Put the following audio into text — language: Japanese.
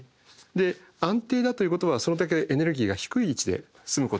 で安定だということはそれだけエネルギーが低い位置で済むことができる。